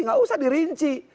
nggak usah dirinci